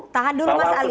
bahwa tujuan politisasi itu